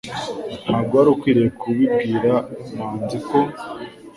Ntabwo wari ukwiye kubibwira manzi ko